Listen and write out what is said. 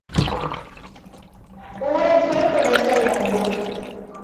ஊறச்சே துடைக்க வேண்டும்.